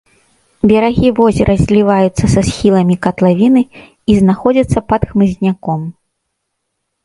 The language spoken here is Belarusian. Берагі возера зліваюцца са схіламі катлавіны і знаходзяцца пад хмызняком.